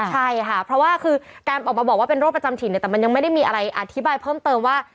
ใช่ค่ะเพราะว่าคือการออกมาบอกว่าเป็นโรคประจำถิ่นเนี่ยแต่มันยังไม่ได้มีอะไรอธิบายเพิ่มเติมว่า